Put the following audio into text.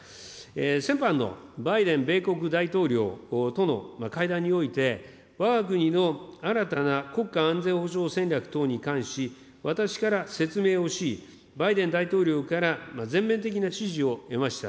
先般のバイデン米国大統領との会談において、わが国の新たな国家安全保障戦略等に対し、私から説明をし、バイデン大統領から全面的な支持を得ました。